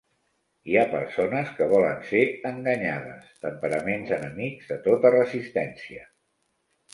Hi ha persones que volen ser enganyades, temperaments enemics de tota resistència;